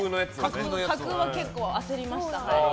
架空は結構焦りました。